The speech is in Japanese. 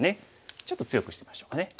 ちょっと強くしてみましょうかね。